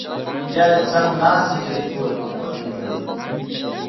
بیا یې څنګ ناستې نجلۍ ته وویل: واده دې کړی؟